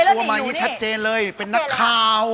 เอามาอย่างนี้ชัดเจนเลยเป็นนักข่าว